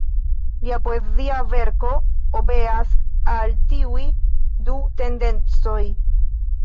Lia poezia verko obeas al tiuj du tendencoj.